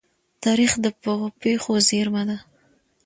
تاریخ د پېښو زيرمه ده.